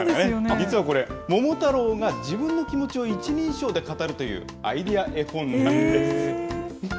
実はこれ、桃太郎が自分の気持ちを１人称で語るというアイデア絵本なんです。